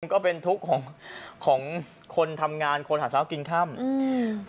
ก็เป็นทุกข์ของของคนทำงานคนหาเช้ากินค่ำอืม